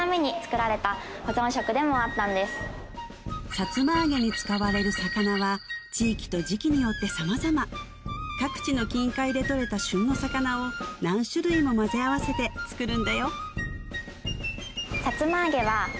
さつま揚げに使われる魚は地域と時期によって様々各地の近海でとれた旬の魚を何種類も混ぜ合わせて作るんだよ